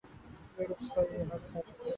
اگراس کا یہ حق ثابت ہے۔